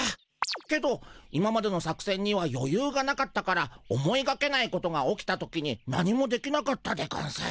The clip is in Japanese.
けど今までの作せんにはよゆうがなかったから思いがけないことが起きた時に何もできなかったでゴンス。